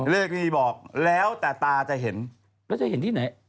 เลขนี้บอกแล้วแต่ตาจะเห็นแล้วจะเห็นที่ไหน